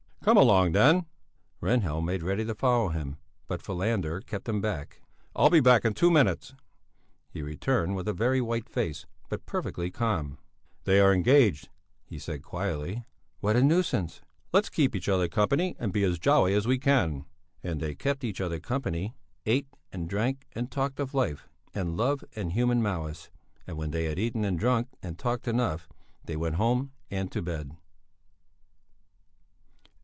"Come along then!" Rehnhjelm made ready to follow him, but Falander kept him back. "I'll be back in two minutes!" He returned with a very white face, but perfectly calm. "They are engaged," he said quietly. "What a nuisance!" "Let's keep each other company and be as jolly as we can!" And they kept each other company, ate and drank and talked of life and love and human malice; and when they had eaten and drunk and talked enough, they went home and to bed.